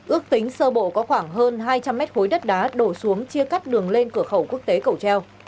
ước tính sơ bộ có khoảng hơn hai trăm linh mét khối đất đá đổ xuống chia cắt đường lên cửa khẩu quốc tế cầu treo